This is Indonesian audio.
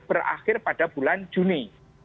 berakhir pada bulan juni